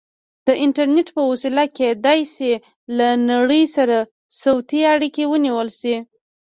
د انټرنیټ په وسیله کیدای شي له نړۍ سره صوتي اړیکې ونیول شي.